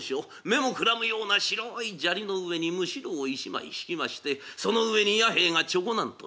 目もくらむような白い砂利の上にむしろを１枚敷きましてその上に弥兵衛がちょこなんと座っております。